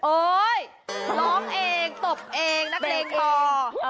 ร้องเองตบเองนักเลงพอ